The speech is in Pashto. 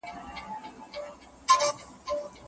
هغه داستان چي په تېره زمانه کي لیکل شوی وڅېړئ.